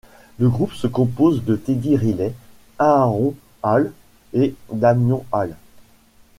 Le groupe se compose de Teddy Riley, Aaron Hall, et Damion Hall.